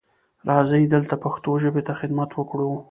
راځئ دلته پښتو ژبې ته خدمت وکړو.